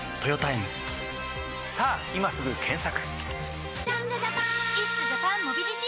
さぁ今すぐ検索！